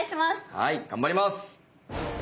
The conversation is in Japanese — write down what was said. はい頑張ります！